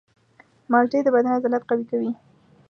مالټې د بدن عضلات قوي کوي.